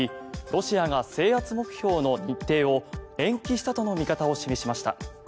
ロシアが制圧目標の日程を延期したとの見方を示しました。